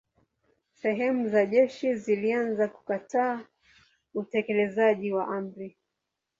Sehemu za jeshi zilianza kukataa utekelezaji wa amri.